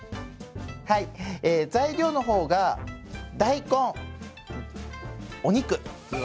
はい材料の方が大根お肉。